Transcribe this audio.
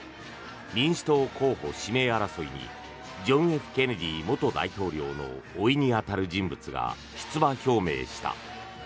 民主党候補指名争いにジョン・Ｆ・ケネディ元大統領のおいに当たる人物が出馬表明した。